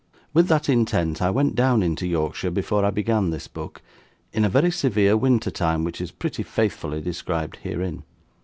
With that intent I went down into Yorkshire before I began this book, in very severe winter time which is pretty faithfully described herein.